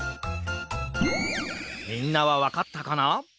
みんなはわかったかな？